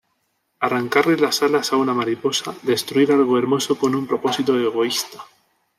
Arrancarle las alas a una mariposa, destruir algo hermoso con un propósito egoísta".